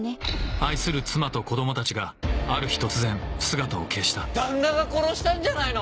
愛する妻と子供たちがある日突然姿を消した旦那が殺したんじゃないの？